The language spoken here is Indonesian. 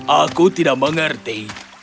aku tidak mengerti